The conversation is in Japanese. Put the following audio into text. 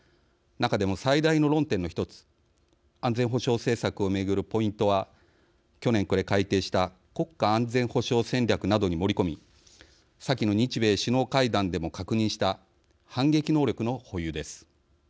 中でも最大の論点の１つ安全保障政策を巡るポイントは去年暮れ改定した国家安全保障戦略などに盛り込み先の日米首脳会談でも確認した反撃能力の保有です。